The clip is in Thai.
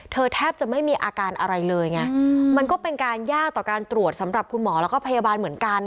แทบจะไม่มีอาการอะไรเลยไงมันก็เป็นการยากต่อการตรวจสำหรับคุณหมอแล้วก็พยาบาลเหมือนกัน